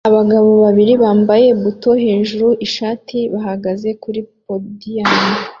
Abagabo babiri bambaye buto hejuru ishati bahagaze kuri podium